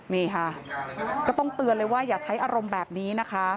นี่ค่ะก็ต้องเตือนเลยว่าอย่าใช้อารมณ์แบบนี้นะคะ